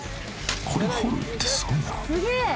［これ掘るってすごいな］